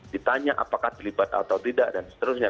ditanya apakah terlibat atau tidak dan seterusnya